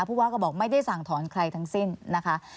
ผู้ว่าก็บอกไม่ได้สั่งถอนใครทั้งสิ้นนะคะ